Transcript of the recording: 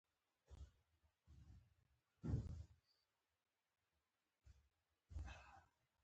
ساه يې تر پزې راووته.